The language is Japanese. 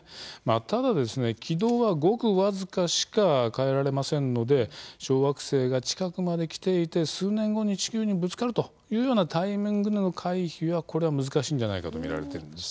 ただ軌道は、ごく僅かしか変えられませんので小惑星が近くまで来ていて数年後に地球にぶつかるというようなタイミングでの回避は難しいのではないかとみられています。